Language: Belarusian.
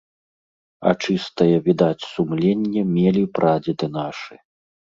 А чыстае, відаць, сумленне мелі прадзеды нашы.